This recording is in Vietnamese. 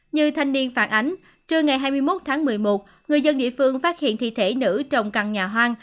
như thanh niên phản ánh trưa ngày hai mươi một tháng một mươi một người dân địa phương phát hiện thi thể nữ trong căn nhà hoang